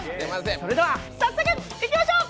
それでは早速いきましょう。